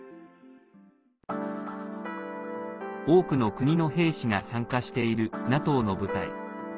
多くの国の兵士が参加しているＮＡＴＯの部隊。